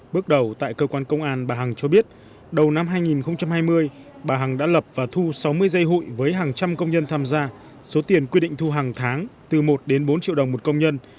bước đầu tại cơ quan công an bà hằng cho biết đầu năm hai nghìn hai mươi bà hằng đã lập và thu sáu mươi dây hụi với hàng trăm công nhân tham gia số tiền quy định thu hàng tháng từ một đến bốn triệu đồng một công nhân